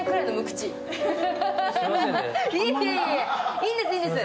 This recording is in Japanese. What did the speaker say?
いいんです、いいんです。